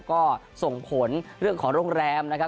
ก็ส่งผลเรื่องของโรงแรมนะครับ